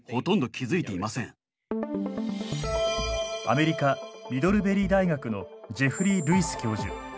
アメリカミドルベリー大学のジェフリー・ルイス教授。